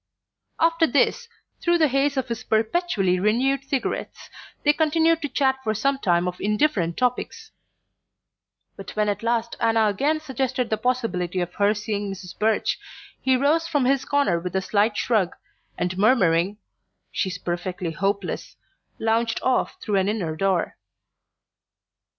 After this, through the haze of his perpetually renewed cigarettes, they continued to chat for some time of indifferent topics; but when at last Anna again suggested the possibility of her seeing Mrs. Birch he rose from his corner with a slight shrug, and murmuring: "She's perfectly hopeless," lounged off through an inner door.